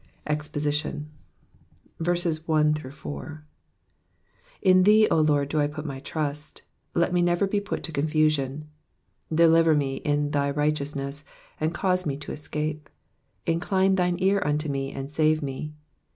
EXPOSITION. IN thee, O Lord, do I put my trust : let me never be put to confusion. 2 Deliver me in thy righteousness, and cause me to escape ; incline thine ear unto me, and save me.